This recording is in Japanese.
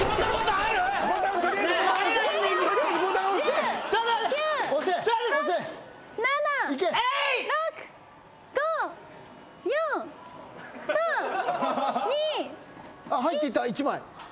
あっ入っていった１枚。